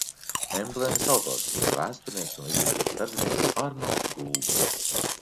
Emblēmas autors: vēsturnieks un izglītības darbinieks Arnolds Gulbis.